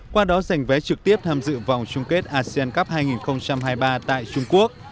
qua đó giành vé trực tiếp tham dự vòng chung kết asean cup hai nghìn hai mươi ba tại trung quốc